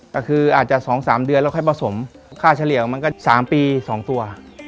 ก็คืออาจจะ๒๓เดือนแล้วค่อยผสมค่าเฉลี่ยมันก็๓ปี๒ตัว